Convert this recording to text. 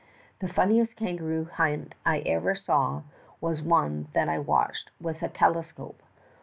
"The funniest kangaroo hunt I ever saw was one that I watched with a telescope.